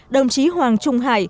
đồng chí hoàng trung hà